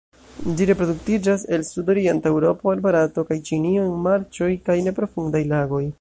Ĝi reproduktiĝas el sudorienta Eŭropo al Barato kaj Ĉinio en marĉoj kaj neprofundaj lagoj.